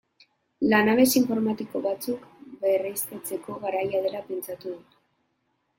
Lanabes informatiko batzuk berriztatzeko garaia dela pentsatu dut.